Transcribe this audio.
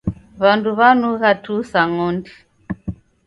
W'andu w'anugha tuu sa ng'ondi.